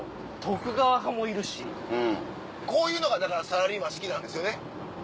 こういうのがだからサラリーマン好きなんですよね。